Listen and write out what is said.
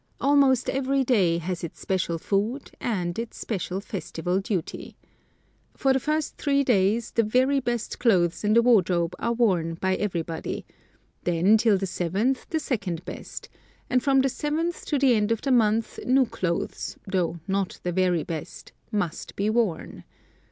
Almost every day has its special food and its special festival duty. For the first three days the very best clothes in the wardrobe are worn by everybody, then till the seventh the second best, and from the seventh to the end of the month new clothes, though not the very best, must be worn.